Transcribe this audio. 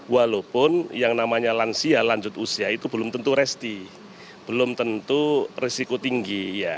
walaupun yang namanya lansia lanjut usia itu belum tentu resti belum tentu risiko tinggi